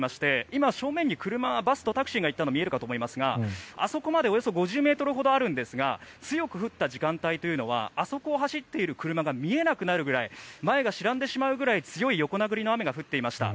今、正面に車とバスとタクシーがいたのが見えるかと思いますがあそこまでおよそ５０ｍほどあるんですが強く降った時間帯というのはあそこを走っている車が見えなくなるぐらい前が白んでしまうくらい強い横殴りの雨が降っていました。